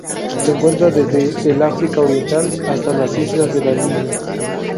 Se encuentra desde el África Oriental hasta las islas de la Línea.